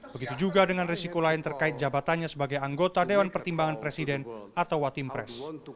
begitu juga dengan resiko lain terkait jabatannya sebagai anggota dewan pertimbangan presiden atau watim pres